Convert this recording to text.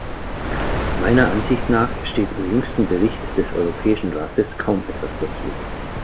Meiner Ansicht nach steht im jüngsten Bericht des Europäischen Rates kaum etwas dazu.